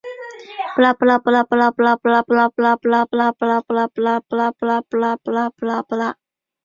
奥尔德伊斯塔博加是位于美国阿拉巴马州塔拉迪加县的一个非建制地区。